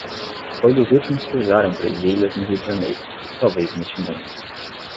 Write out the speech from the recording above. Foi dos últimos que usaram presilhas no Rio de Janeiro, e talvez neste mundo.